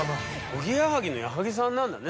おぎやはぎの矢作さんなんだね。